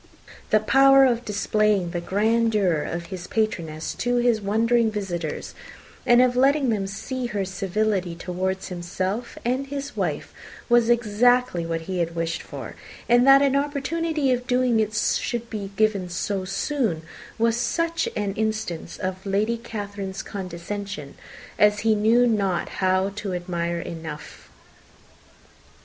The power of displaying the grandeur of his patroness to his wondering visitors, and of letting them see her civility towards himself and his wife, was exactly what he had wished for; and that an opportunity of doing it should be given so soon was such an instance of Lady Catherine's condescension as he knew not how to admire enough.